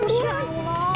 masya allah berangkat